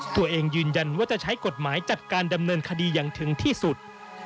ตัวเองยืนยันว่าจะใช้กฎหมายจัดการดำเนินคดีอย่างถึงที่สุด